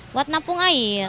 buat nampung air